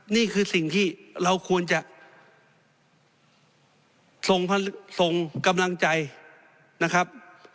นี่คือสิ่งที่เราควรจะส่งกำลังใจนะครับ